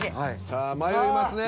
さあ迷いますね。